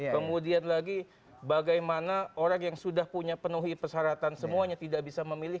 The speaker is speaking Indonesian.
kemudian lagi bagaimana orang yang sudah punya penuhi persyaratan semuanya tidak bisa memilih